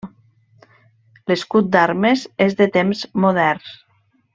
L'escut d'armes és de temps moderns.